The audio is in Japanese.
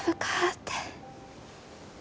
って。